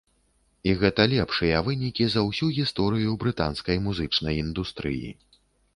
І гэта лепшыя вынікі за ўсю гісторыю брытанскай музычнай індустрыі.